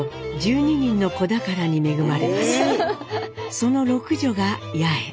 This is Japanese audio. その六女が八重。